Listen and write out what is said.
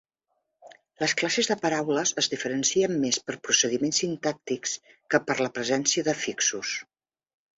Les classes de paraules es diferencien més per procediments sintàctics que per la presència d'afixos.